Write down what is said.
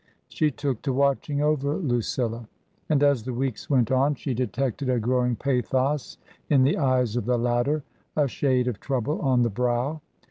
She took to watching over Lucilla. And as the weeks went on she detected a growing pathos in the eyes of the latter — 2l shade of trouble on the brow.